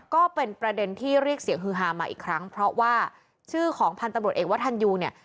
ก็เป็นประเด็นที่เรียกเสียงฮือฮามาอีกครั้งเพราะว่าชื่อของพันธุ์ตำรวจเอกวัฒนยูเนี่ย